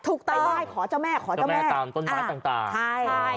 ถูกต้องขอเจ้าแม่ขอเจ้าแม่ต้นม้าต่าง